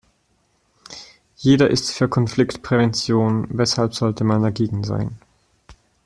Jeder ist für Konfliktprävention, weshalb sollte man dagegen sein?